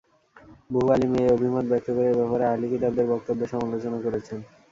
বহু আলিম এ অভিমত ব্যক্ত করে এ ব্যাপারে আহলি কিতাবদের বক্তব্যের সমালোচনা করেছেন।